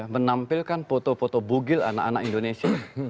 menampilkan foto foto bugil anak anak indonesia